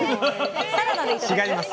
違います